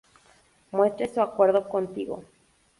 muestre su acuerdo contigo